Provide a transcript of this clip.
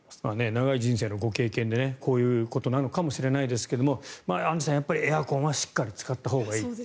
長い人生のご経験でこういうことなのかもしれませんがアンジュさん、やっぱりエアコンはしっかり使ったほうがいい。